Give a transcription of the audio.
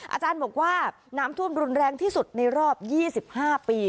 อาจารย์บอกว่าน้ำท่วมรุนแรงที่สุดในรอบ๒๕ปี